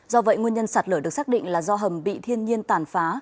do vậy nguyên nhân sạt lở được xác định là do hầm bị thiên nhiên tàn phá